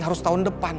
harus tahun depan